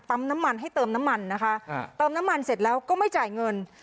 น้ำมันให้เติมน้ำมันนะคะเติมน้ำมันเสร็จแล้วก็ไม่จ่ายเงิน